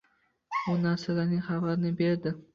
U narsalarining xabarini berdi.